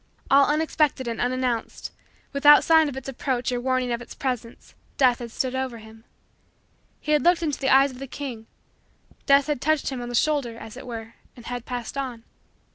All unexpected and unannounced without sign of its approach or warning of its presence Death had stood over him. He had looked into the eyes of the King. Death had touched him on the shoulder, as it were, and had passed on.